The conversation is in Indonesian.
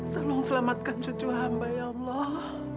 tolong selamatkan cucu hamba ya allah